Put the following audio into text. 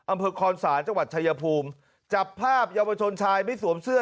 อำเภอคอนศาลจังหวัดชายภูมิจับภาพเยาวชนชายไม่สวมเสื้อ